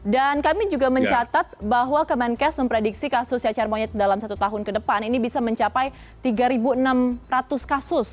dan kami juga mencatat bahwa kemenkes memprediksi kasus cacar monyet dalam satu tahun ke depan ini bisa mencapai tiga ribu enam ratus kasus